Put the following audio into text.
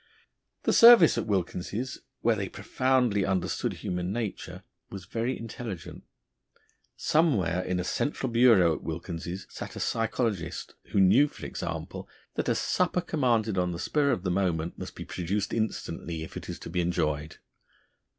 The service at Wilkins's, where they profoundly understood human nature, was very intelligent. Somewhere in a central bureau at Wilkins's sat a psychologist who knew, for example, that a supper commanded on the spur of the moment must be produced instantly if it is to be enjoyed.